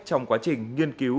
trong quá trình nghiên cứu